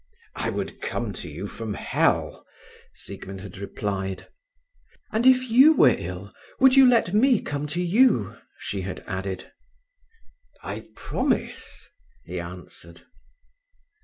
"I would come to you from hell!" Siegmund had replied. "And if you were ill—you would let me come to you?" she had added. "I promise," he answered.